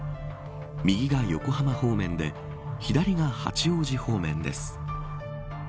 右が横浜方面で左が八王子方面です。